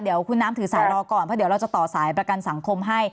เดี๋ยวคุณน้ำถือสายรอก่อนเพราะเดี๋ยวเราจะต่อสายประกันสังคมให้